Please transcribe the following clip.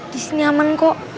disini aman kok